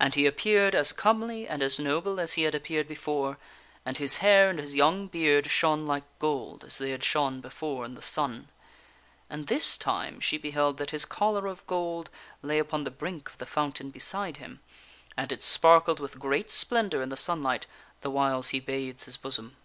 And he appeared as comely and as noble as he had appeared before ; and his hair and his young beard shone like gold as they had shone before in the sun. And this time she beheld 86 THE WINNING OF A QUEEN that his collar of gold lay upon the brink of the fountain beside him, and it sparkled with great splendor in the sunlight the whiles he bathed his bosom.